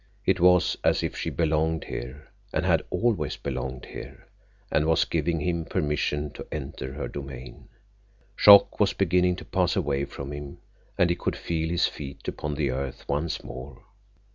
It was as if she belonged here, and had always belonged here, and was giving him permission to enter her domain. Shock was beginning to pass away from him, and he could feel his feet upon the earth once more.